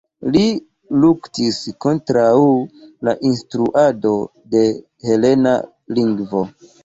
Li luktis kontraŭ la instruado de helena lingvo.